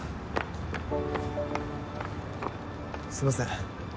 すいません。